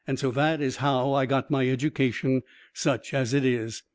So that is how I got my education, such as it is.